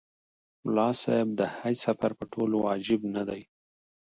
ملا صاحب د حج سفر په ټولو واجب نه دی.